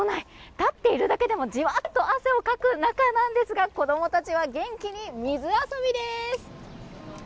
立っているだけでもじわっと汗をかく中なんですが子供たちは元気に水遊びです。